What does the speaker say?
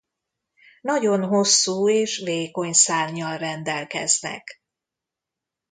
Nagyon hosszú és vékony szárnnyal rendelkeznek.